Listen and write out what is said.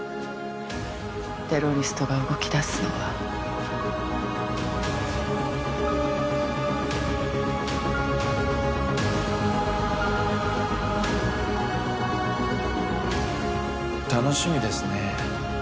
テロリストが動きだすのは楽しみですね